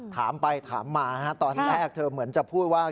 ถามไปถามมาตอนแรกเธอเหมือนจะพูดว่า